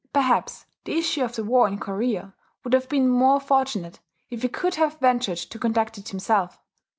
Perhaps the issue of the war in Korea would have been more fortunate, if he could have ventured to conduct it himself.